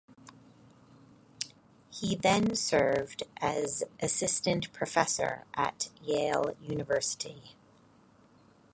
He then served as assistant professor at Yale University.